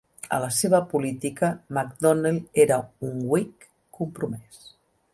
A la seva política, McDonnell era un Whig compromès.